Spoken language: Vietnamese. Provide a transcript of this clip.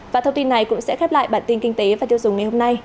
và thông tin này cũng sẽ khép lại bản tin kinh tế và tiêu dùng ngày hôm nay